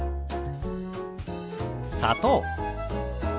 「砂糖」。